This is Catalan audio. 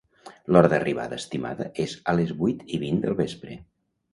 L'hora d'arribada estimada és a les vuit i vint del vespre.